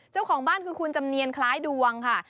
เจ้าของบ้านคือคุณจำเนียนคล้ายดวงค่ะ